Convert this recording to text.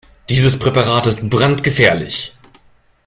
Dieses Präparat ist brandgefährlich.